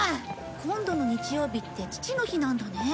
今度の日曜日って父の日なんだね。